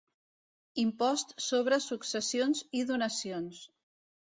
Impost sobre successions i donacions.